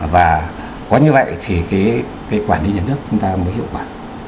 và có như vậy thì cái quản lý nhận thức chúng ta mới hiệu quả